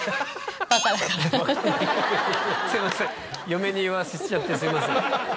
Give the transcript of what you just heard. すいません嫁に言わせちゃってすいません。